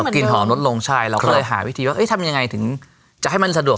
กลิ่นหอมลดลงใช่เราก็เลยหาวิธีว่าทำยังไงถึงจะให้มันสะดวก